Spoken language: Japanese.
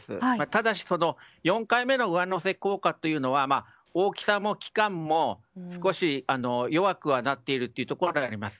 ただし４回目の上乗せ効果というのは大きさも期間も少し弱くはなっているということがあります。